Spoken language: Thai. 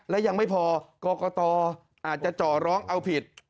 และยังไม่พอกรกตอาจจะจ่อร้องเอาผิด